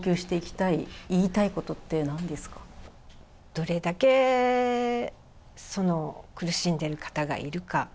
どれだけ苦しんでる方がいるか